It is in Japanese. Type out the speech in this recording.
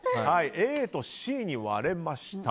ＡとＣに割れました。